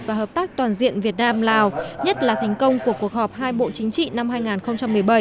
và hợp tác toàn diện việt nam lào nhất là thành công của cuộc họp hai bộ chính trị năm hai nghìn một mươi bảy